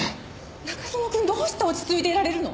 中園くんどうして落ち着いていられるの？